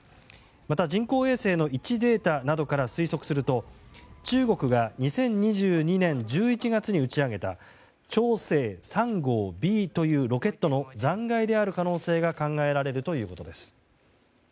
また人工衛星の位置データなどから推測すると中国が２０２２年１１月に打ち上げた「長征３号Ｂ」というロケットの残骸である可能性が考えられるということです。